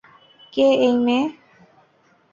কে এই মেয়ে?